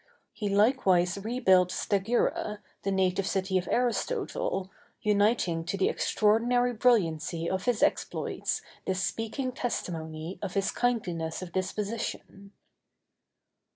He likewise rebuilt Stagira, the native city of Aristotle, uniting to the extraordinary brilliancy of his exploits this speaking testimony of his kindliness of disposition.